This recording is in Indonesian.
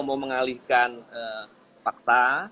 mau mengalihkan fakta